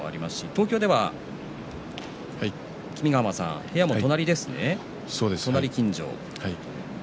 東京では君ヶ濱さん、部屋も隣ですね。